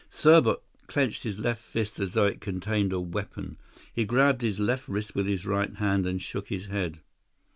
Serbot clenched his left fist as though it contained a weapon. He grabbed his left wrist with his right hand and shook his head.